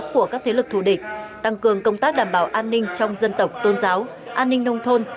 của các thế lực thù địch tăng cường công tác đảm bảo an ninh trong dân tộc tôn giáo an ninh nông thôn